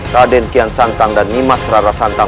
raden kian santan dan nimas rada santan